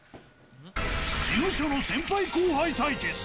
事務所の先輩後輩対決。